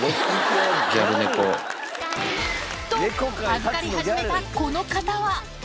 ギャル猫。と、預かり始めたこの方は。